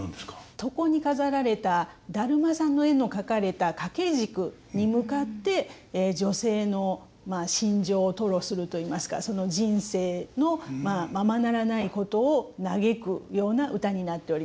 床に飾られた達磨さんの絵の描かれた掛け軸に向かって女性の真情を吐露するといいますかその人生のままならないことを嘆くような唄になっております。